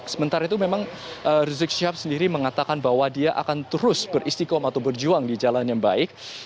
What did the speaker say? sementara itu memang rizik syihab sendiri mengatakan bahwa dia akan terus beristikom atau berjuang di jalan yang baik